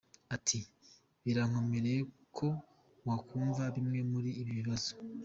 Ati” Birakomeye ko wakumva bimwe muri ibi bibazo.